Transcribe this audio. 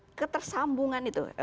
ini persambungan itu